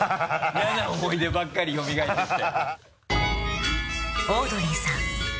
嫌な思い出ばっかりよみがえってきて。